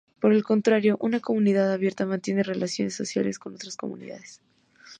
Por el contrario, una comunidad abierta mantiene relaciones sociales con otras comunidades.